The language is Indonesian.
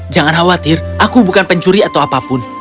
jangan khawatir aku bukan pencuri atau apapun